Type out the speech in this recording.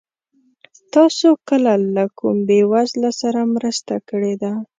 تاسو کله له کوم بېوزله سره مرسته کړې ده؟